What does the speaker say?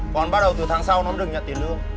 còn bắt đầu từ tháng sau nó được nhận tiền lương